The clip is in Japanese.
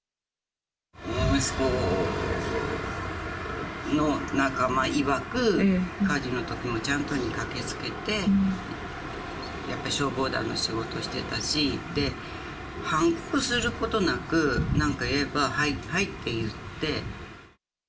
息子の仲間いわく、火事のときにもちゃんと駆けつけて、消防団の仕事してたし、反抗することなく、なんか言えば、はい、はいって言って。